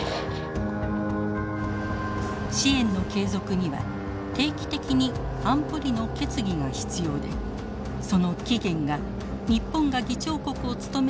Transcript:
支援の継続には定期的に安保理の決議が必要でその期限が日本が議長国を務める１月に迫っていたのです。